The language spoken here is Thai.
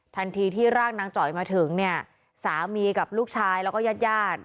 ทันทีที่ร่างนางจ๋อยมาถึงเนี่ยสามีกับลูกชายแล้วก็ญาติญาติ